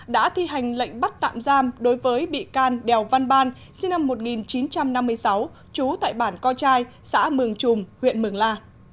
đã thi hành lệnh bắt tạm giam đối với bị can đèo văn ban sinh năm một nghìn chín trăm năm mươi sáu trú tại bản co trai xã mường trùm huyện mường la